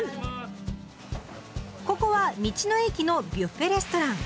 ここは道の駅のビュッフェレストラン。